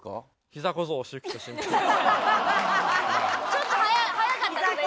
ちょっと早かったですね